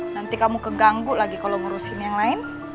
nanti kamu keganggu lagi kalau ngurusin yang lain